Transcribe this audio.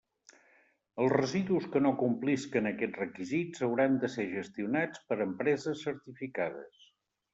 Els residus que no complisquen aquests requisits hauran de ser gestionats per empreses certificades.